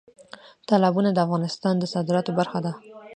تالابونه د افغانستان د صادراتو برخه ده.